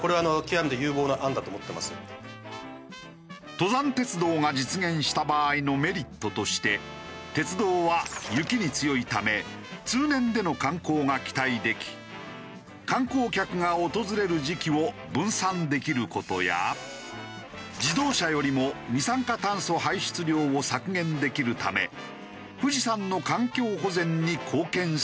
登山鉄道が実現した場合のメリットとして鉄道は雪に強いため通年での観光が期待でき観光客が訪れる時期を分散できる事や自動車よりも二酸化炭素排出量を削減できるため富士山の環境保全に貢献する効果も。